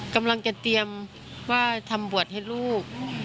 กำลังจะเตรียมว่าทำบวชให้ลูก